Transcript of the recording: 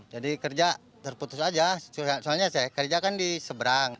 jadi kerja terputus aja soalnya kerja kan di seberang